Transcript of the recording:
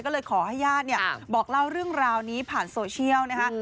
ก็เลยขอให้ญาติเนี่ยบอกเล่าเรื่องราวนี้ผ่านโซเชียลนะคะ